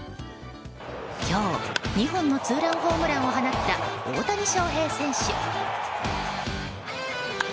今日、２本のツーランホームランを放った大谷翔平選手。